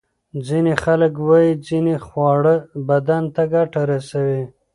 ځینې خلک وايي ځینې خواړه بدن ته ګټه رسوي.